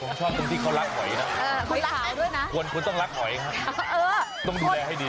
ผมชอบตรงที่เขารักหอยนะคนคุณต้องรักหอยครับต้องดูแลให้ดี